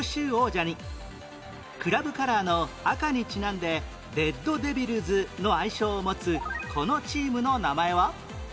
クラブカラーの赤にちなんでレッドデビルズの愛称を持つこのチームの名前は？